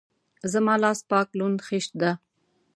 زما لاس پاک لوند خيشت ده.